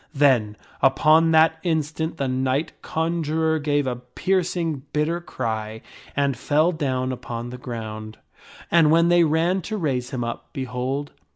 Then, upon that instant, the knight conjurer gave a piercing bitter cry and fell down upon the ground ; and when they ran to raise him up, behold